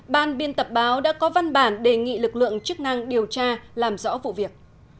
ban biên tập báo đã có văn bản đề nghị lực lượng chức năng điều tra làm rõ vụ việc